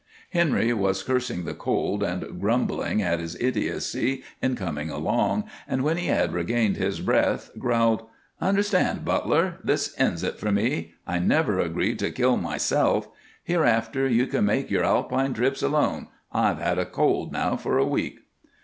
Henry was cursing the cold and grumbling at his idiocy in coming along, and, when he had regained his breath, growled: "Understand, Butler, this ends it for me. I never agreed to kill myself. Hereafter you can make your Alpine trips alone. I've had a cold now for a week."